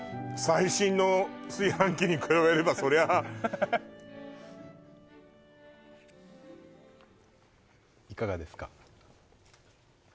最新の炊飯器に比べればそりゃいかがですか？